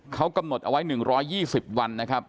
เขากำหนดเอาไว้๑๒๐วันนะครับ